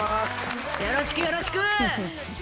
よろしく、よろしく。